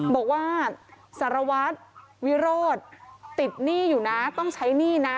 บอกว่าสารวัตรวิโรธติดหนี้อยู่นะต้องใช้หนี้นะ